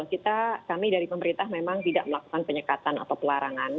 kita kami dari pemerintah memang tidak melakukan penyekatan atau pelarangan